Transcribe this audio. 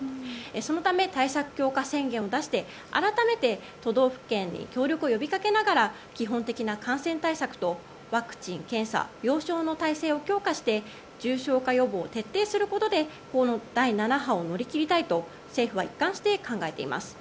そのため、対策強化宣言を出して改めて都道府県に協力を呼び掛けながら基本的な感染対策とワクチン、検査病床の体制を強化して重症化予防を徹底することでこの第７波を乗り切りたいと政府は一貫して考えています。